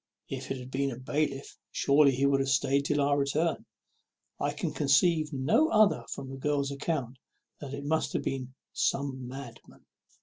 If it had been a bailiff, surely he would have staid till our return. I can conceive no other from the girl's account than that it must have been some madman."